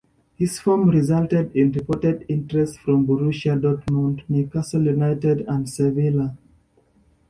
His form resulted in reported interest from Borussia Dortmund, Newcastle United and Sevilla.